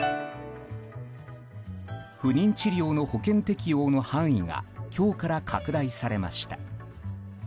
不妊治療の保険適用の範囲が今日から拡大されました。